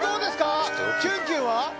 キュンキュンは？